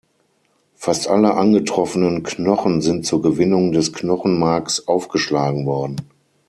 Fast alle angetroffenen Knochen sind zur Gewinnung des Knochenmarks aufgeschlagen worden.